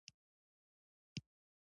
د خصوصي مالکیت حقونه پراختیا ومومي.